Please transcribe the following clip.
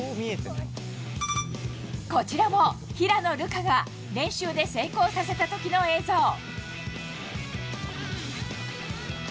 こちらも平野流佳が練習で成功させた時の映像。